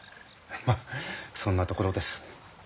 まあそんなところです。